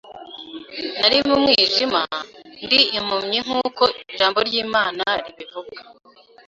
Nari mu mwijima, ndi impumyi nk’uko ijambo ry’Imana ribivuga.